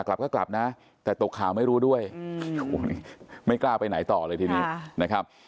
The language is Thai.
กลับก็กลับนะแต่ตกข่าวไม่รู้ด้วยไม่กล้าไปไหนต่อเลยทีนี้นะครับ